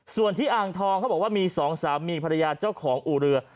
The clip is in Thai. ส่วนที่อ่างทองเขาบอกว่ามีสองสามีภรรยาเจ้าของอู่เรือ